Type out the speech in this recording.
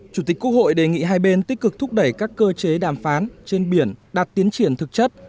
chủ tịch quốc hội đề nghị hai bên tích cực thúc đẩy các cơ chế đàm phán trên biển đạt tiến triển thực chất